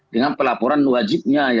dengan pelaporan wajibnya